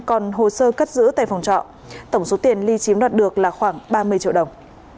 còn hồ sơ cất giữ tại phòng trọ tổng số tiền li chiếm đoạt được là khoảng ba mươi triệu đồng